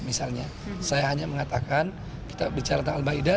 misalnya saya hanya mengatakan kita bicara tentang al ma'idah